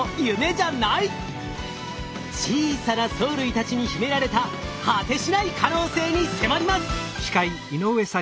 小さな藻類たちに秘められた果てしない可能性に迫ります。